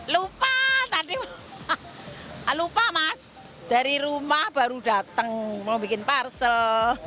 lupa tadi lupa mas dari rumah baru datang mau bikin parcel